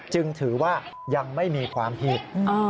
จึงถือว่ายังไม่มีความผิด